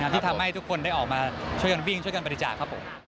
ที่ทำให้ทุกคนได้ออกมาช่วยกันวิ่งช่วยกันบริจาคครับผม